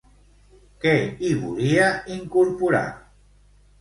Què hi volia incorporar?